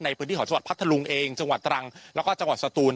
ในพื้นที่ของจังหวัดพัทธลุงเองจังหวัดตรังแล้วก็จังหวัดสตูน